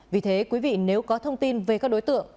vì thế quý vị nếu có thông tin về các đối tượng